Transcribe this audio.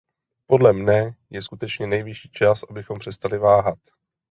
Podle mne je skutečně nejvyšší čas, abychom přestali váhat.